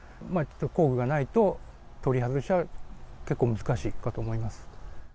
工具がないと取り外しは結構難しいかと思います。